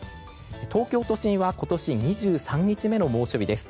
東京都心は今年２３日目の猛暑日です。